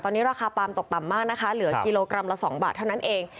ตอนนี้ราคาปาล์มตกต่ำมากนะคะเหลือกิโลกรัมละ๒บาทเท่านั้นเอง